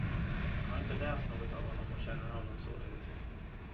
Jag har inte läst något av honom och känner honom således inte.